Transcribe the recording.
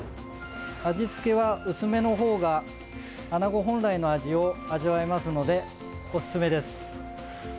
味付けは薄めの方がアナゴ本来の味を味わえますのでおすすめです。